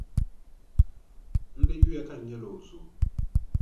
N di yuya ka n nyɛla o zo.